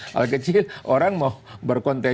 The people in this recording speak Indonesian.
hal kecil orang mau berkonten